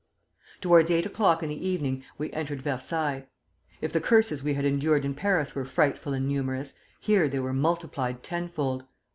"Towards eight o'clock in the evening we entered Versailles. If the curses we had endured in Paris were frightful and numerous, here they were multiplied tenfold.